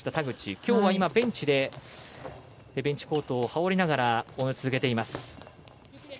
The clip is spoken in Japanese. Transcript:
きょうは今、ベンチでベンチコートを羽織りながら応援を続けています。